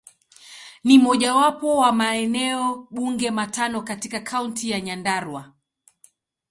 Ni mojawapo wa maeneo bunge matano katika Kaunti ya Nyandarua.